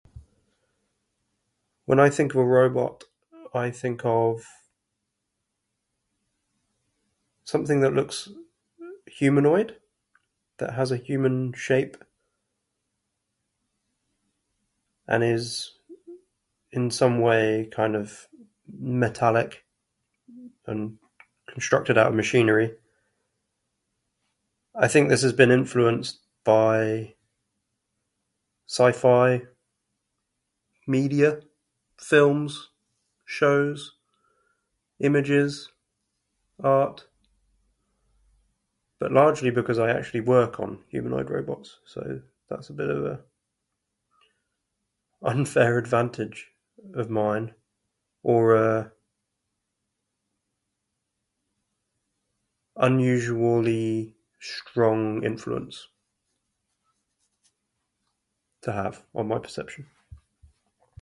When I think of a robot, I think of something that looks humanoid, that has a human shape. And is in some way kind of metallic, and constructed out of machinery. I think this has been influenced by sci-fi media, films, shows, images, art, but largely because I actually work on humanoid robots so that's a bit of a unfair advantage of mine. Or, uh, unusually strong influence to have on my perception.